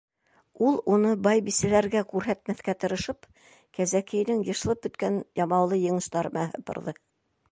Ул уны, бай-бисәләргә күрһәтмәҫкә тырышып, кәзәкейенең йышылып бөткән ямаулы ең остары менән һыпырҙы.